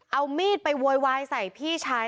เอามีดไปโวยวายใส่พี่ชาย